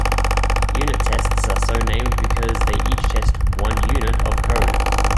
Unit tests are so named because they each test "one unit" of code.